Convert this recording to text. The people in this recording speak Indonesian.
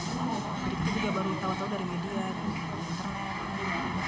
mereka juga belum bisa cerita di mana pun bisa langsung ke rumah